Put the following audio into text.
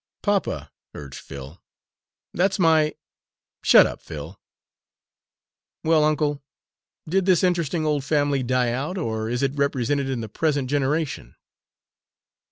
"Papa," urged Phil, "that's my " "Shut up, Phil! Well, uncle, did this interesting old family die out, or is it represented in the present generation?"